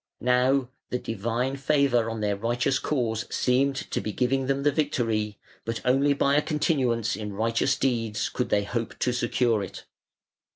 Now the Divine favour on their righteous cause seemed to be giving them the victory, but only by a continuance in righteous deeds could they hope to secure it.